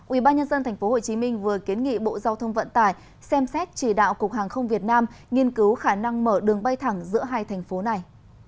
ubnd tp hcm vừa kiến nghị bộ giao thông vận tải xem xét chỉ đạo cục hàng không việt nam nghiên cứu khả năng mở đường bay thẳng giữa hai thành phố này